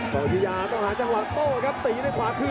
โต๊ะพี่ยาต้องหาจังหวังโต๊ะครับตีด้วยขวาขึ้น